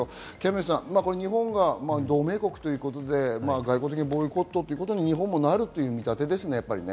日本が同盟国ということで外交的なボイコットということに日本もなる見立てですね。